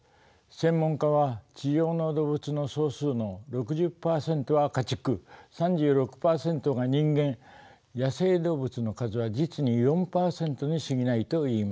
専門家は地上の動物の総数の６０％は家畜３６％が人間野生動物の数は実に４％にすぎないと言います。